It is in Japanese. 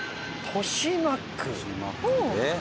豊島区で。